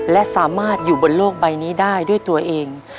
และสามารถอยู่บนโลกใบนี้ได้ด้วยตัวเอง